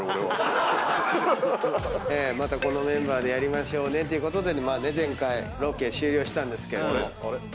またこのメンバーでやりましょうねっていうことで前回ロケ終了したんですけども。